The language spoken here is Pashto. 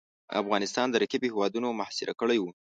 افغانستان د رقیبو هیوادونو محاصره کړی وو.